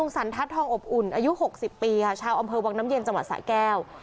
สันทัศน์ทองอบอุ่นอายุ๖๐ปีค่ะชาวอำเภอวังน้ำเย็นจังหวัดสะแก้ว